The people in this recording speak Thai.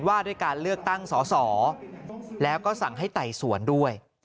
ว่าด้วยการเลือกตั้งสอสอแล้วก็สั่งให้ไต่สวนด้วย